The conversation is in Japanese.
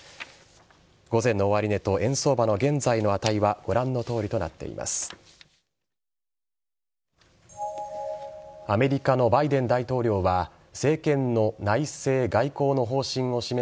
午前の終値と円相場の現在の値はご覧のとおりとなっています。